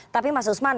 tapi mas usman